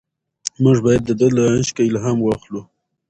موږ باید د ده له عشقه الهام واخلو.